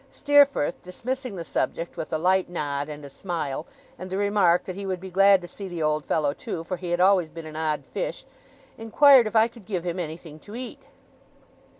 Steerforth, dismissing the subject with a light nod, and a smile, and the remark that he would be glad to see the old fellow too, for he had always been an odd fish, inquired if I could give him anything to eat?